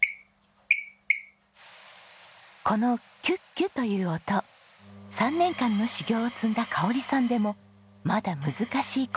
このキュッキュという音３年間の修業を積んだ香さんでもまだ難しい工程です。